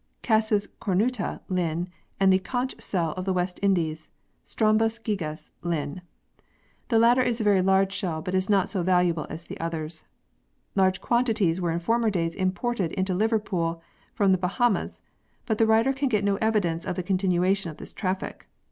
Cassis cornuta Linn., and the " conch " shell of the West Indies Strombus giyas Linn. The latter is a very large shell but is not so valuable as the others. Large quantities were in former days imported into Liverpool from the Ba hamas, but the writer can get no evidence of the continuation of this traffic.